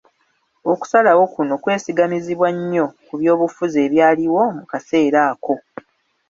Okusalawo kuno kwesigamizibwa nnyo ku by'obufuzi ebyaliwo mu kaseera ako.